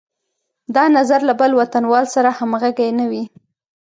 دا نظر له بل وطنوال سره همغږی نه وي.